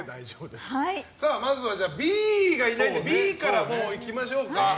まずはＢがいないんでＢからいきましょうか。